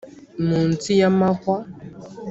munsi y'amahwa